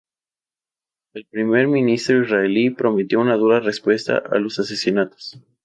El primer ministro israelí prometió una dura respuesta a los asesinatos.